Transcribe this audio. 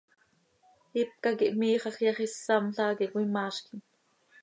Ipca quih miixaj yax, issamla ha quih cöimaazquim.